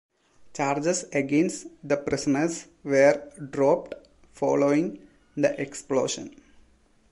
Charges against the prisoners were dropped following the explosion.